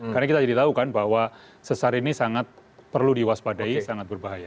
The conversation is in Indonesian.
karena kita jadi tahu kan bahwa sesar ini sangat perlu diwaspadai sangat berbahaya